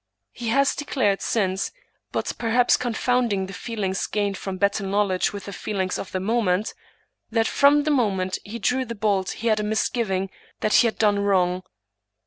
He has declared since — ^but, perhaps, confounding the feelings gained from better knowledge with the feelings of the moment — ^that from the moment he drew the bolt he had a misgiving that he had done wrong.